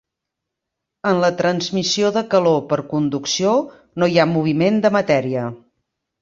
En la transmissió de calor per conducció no hi ha moviment de matèria.